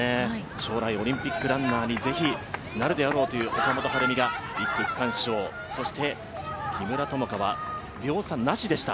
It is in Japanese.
将来オリンピックランナーにぜひなるであろうという岡本春美が１区区間賞、そして木村友香は秒差なしでした。